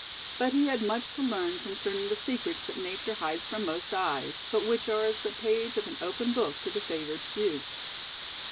But he had much to learn concerning the secrets that Nature hides from most eyes, but which are as the page of an open book to the favored few.